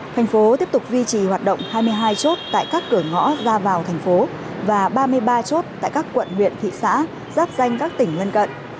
thành phố tiếp tục duy trì hoạt động hai mươi hai chốt tại các cửa ngõ ra vào thành phố và ba mươi ba chốt tại các quận huyện thị xã giáp danh các tỉnh lân cận